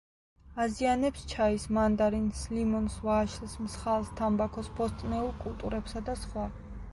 აზიანებს ჩაის, მანდარინს, ლიმონს, ვაშლს, მსხალს, თამბაქოს, ბოსტნეულ კულტურებსა და სხვა.